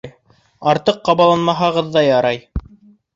Артыҡ ҡабаланмаһағыҙ ҙа ярай.